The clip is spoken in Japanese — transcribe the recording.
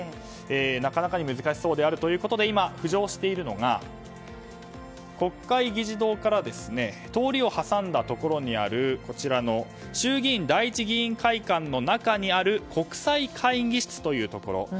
なかなか難しそうということで今、浮上しているのが国会議事堂から通りを挟んだところにある衆議院第一議員会館の中にある国際会議室というところ。